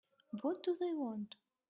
What do they want?